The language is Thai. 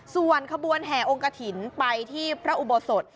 ส่วนขบวนแห่องกฐินไปที่พระอุโบสถ